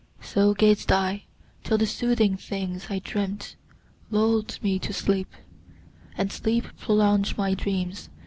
So gazed I, till the soothing things, I dreamt, Lulled me to sleep, and sleep prolonged my dreams!